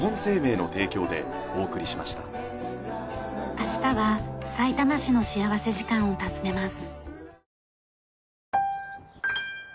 明日はさいたま市の幸福時間を訪ねます。